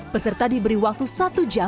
peserta diberi waktu satu jam untuk menjaga jarak